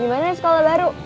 gimana sekolah baru